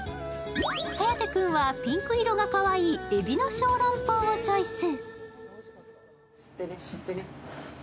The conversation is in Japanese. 颯君はピンク色がかわいいえびの小籠包をチョイス。